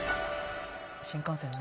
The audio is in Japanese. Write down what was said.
新幹線ね。